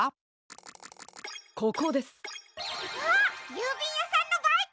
ゆうびんやさんのバイクだ！